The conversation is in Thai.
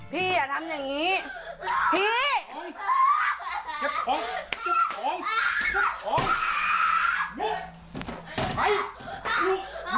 พี่อย่าทำอย่างนี้